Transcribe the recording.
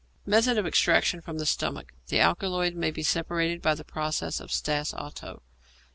Method of Extraction from the Stomach. The alkaloid may be separated by the process of Stas Otto.